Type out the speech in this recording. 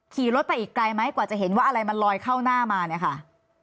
ขี่รถไปอีกไกลไหมกว่าจะเห็นว่าอะไรมันลอยเข้าหน้ามาเนี่ยค่ะ